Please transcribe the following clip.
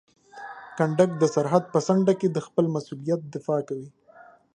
کنډک د سرحد په څنډه کې د خپل مسؤلیت دفاع کوي.